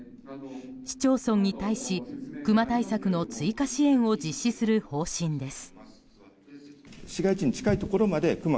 市町村に対しクマ対策の追加支援を実施する方針です。